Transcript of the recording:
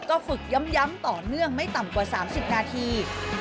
ก็ฝึกย้ำต่อเนื่องไม่ต่ำกว่า๓๐นาที